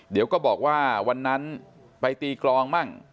เดี๋ยวก็บอกว่าวันนั้นไปตีกลองมั่ง